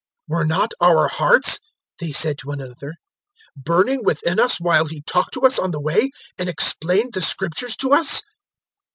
024:032 "Were not our hearts," they said to one another, "burning within us while He talked to us on the way and explained the Scriptures to us?"